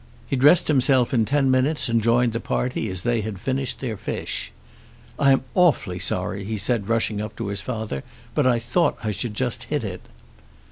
He dressed himself in ten minutes, and joined the party as they had finished their fish. "I am awfully sorry," he said, rushing up to his father, "but I thought that I should just hit it."